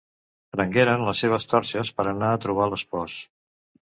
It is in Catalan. Prengueren les seves torxes per anar a trobar l'espòs.